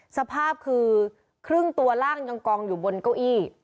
สภาพคือครึ่งตัวล่างยังกองอยู่บนเก้าอี้